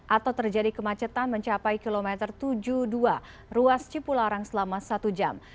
atau terjadi kemacetan mencapai kilometer tujuh puluh dua ruas cipularang selama satu jam